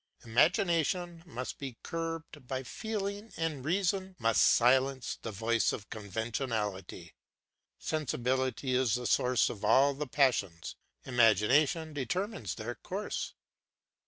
Imagination must be curbed by feeling and reason must silence the voice of conventionality. Sensibility is the source of all the passions, imagination determines their course.